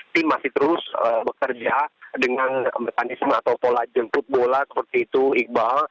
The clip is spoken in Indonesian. tim masih terus bekerja dengan mekanisme atau pola jemput bola seperti itu iqbal